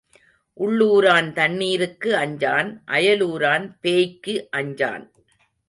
உள்ளூரான் தண்ணீர்க்கு அஞ்சான் அயலூரான் பேய்க்கு அஞ்சான்.